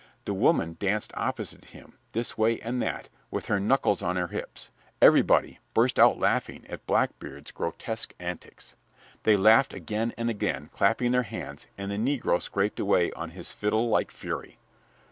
The woman danced opposite to him, this way and that, with her knuckles on her hips. Everybody burst out laughing at Blackbeard's grotesque antics. They laughed again and again, clapping their hands, and the negro scraped away on his fiddle like fury.